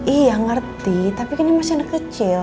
iya ngerti tapi kan ini masih anak kecil